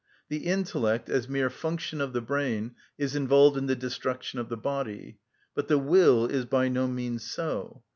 The intellect, as mere function of the brain, is involved in the destruction of the body, but the will is by no means so.